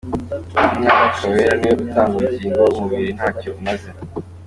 Umwuka Wera ni we utanga ubugingo, umubiri nta cyo umaze.